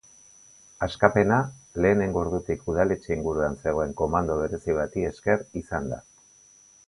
Askapena lehenengo ordutik udaletxe inguruan zegoen komando berezi bati esker izan da.